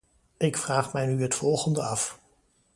Ik vraag mij nu het volgende af.